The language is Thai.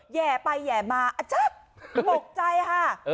แย่ไปแย่มาอัจจ๊ะตกใจค่ะ